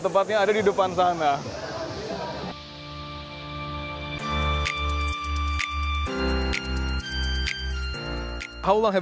tapi saya pikir ini berharga